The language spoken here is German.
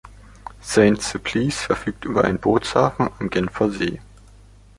Saint-Sulpice verfügt über einen Bootshafen am Genfersee.